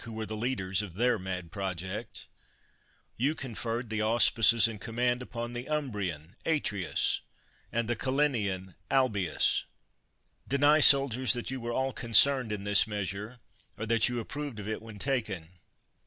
THE WORLD'S FAMOUS ORATIONS were the leaders of their mad project; you con ferred the auspices and command upon the Um brian, Atrius, and the Calenian, Albius. Deny, soldiers, that you were all concerned in this measure, or that you approved of it when taken.